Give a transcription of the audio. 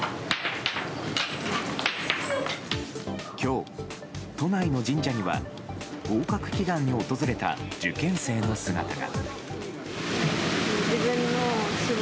今日、都内の神社には合格祈願に訪れた受験生の姿が。